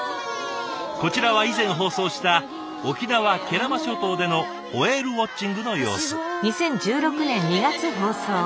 こちらは以前放送した沖縄・慶良間諸島でのホエールウォッチングの様子。